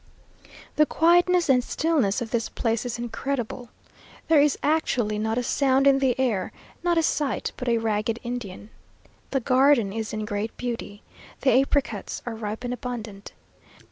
The quietness and stillness of this place is incredible. There is actually not a sound in the air; not a sight but a ragged Indian. The garden is in great beauty. The apricots are ripe and abundant.